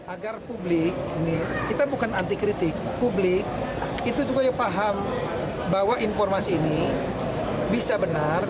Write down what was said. agar publik ini kita bukan anti kritik publik itu juga paham bahwa informasi ini bisa benar